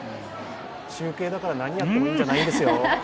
中継だから何やってもいいんじゃないんですよ。